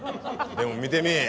でも見てみい。